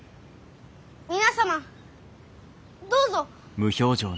皆様どうぞ。